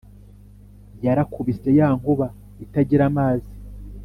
Yarakubise ya nkuba itagira amazi